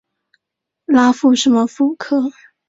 拉罗什富科。